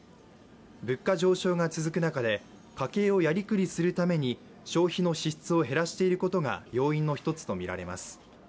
物価上昇が続く中で家計をやりくりするために消費の支出を減らしていることが要因の１つとみられます。